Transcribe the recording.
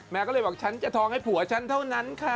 ก็เลยบอกฉันจะทองให้ผัวฉันเท่านั้นค่ะ